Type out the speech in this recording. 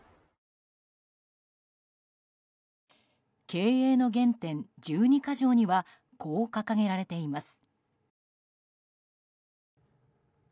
経営の原点１２か条にはこう掲げられています。